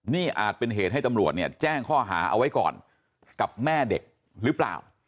นี่อาจเป็นเหตุให้ตำรวจเนี่ยแจ้งข้อหาเอาไว้ก่อนกับแม่เด็กหรือเปล่า